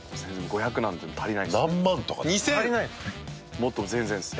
もっと全然です。